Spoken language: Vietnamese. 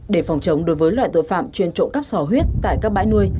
để phòng chống đối với loại tội phạm chuyên trộm cắp sò huyết tại các bãi nuôi